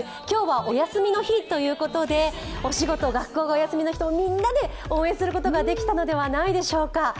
今日はお休みの日ということで、お仕事、学校がお休みの人もみんなで応援することができたのではないでしょうか。